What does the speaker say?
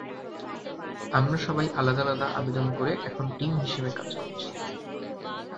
আমরা সবাই আলাদা আলাদা আবেদন করে এখন টিম হিসেবে কাজ করছি।